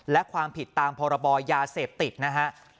และความผิดตามพรบยาเสพติดนะฮะ